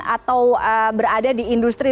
atau berada di industri